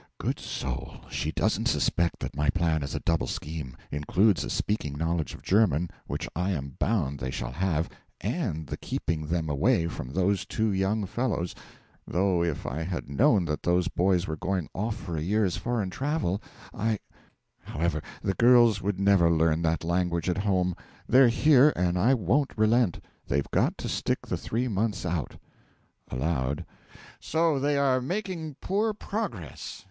Good soul! she doesn't suspect that my plan is a double scheme includes a speaking knowledge of German, which I am bound they shall have, and the keeping them away from those two young fellows though if I had known that those boys were going off for a year's foreign travel, I however, the girls would never learn that language at home; they're here, and I won't relent they've got to stick the three months out. (Aloud.) So they are making poor progress?